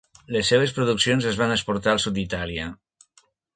Les seues produccions es van exportar al sud d'Itàlia.